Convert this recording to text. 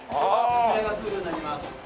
こちらがプールになります。